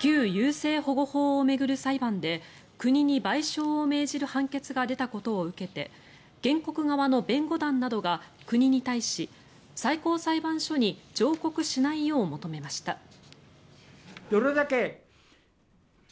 旧優生保護法を巡る裁判で国に賠償を命じる判決が出たことを受けて原告側の弁護団などが国に対し最高裁判所に上告しないよう求めました。